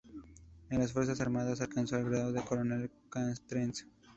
En las Fuerzas Armadas alcanzó el grado de coronel castrense.